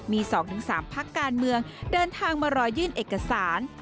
มี๒๓พักการเมืองเดินทางมารอยื่นเอกสาร